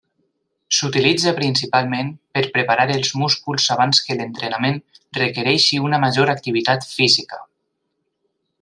S'utilitza principalment per preparar els músculs abans que l'entrenament requereixi una major activitat física.